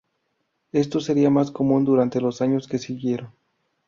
Esto sería más común durante los años que siguieron.